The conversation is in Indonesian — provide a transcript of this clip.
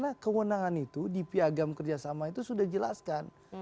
dan kemenangan itu di piagam kerjasama itu sudah dijelaskan